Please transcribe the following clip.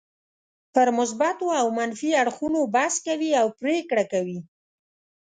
پر مثبتو او منفي اړخونو بحث کوي او پرېکړه کوي.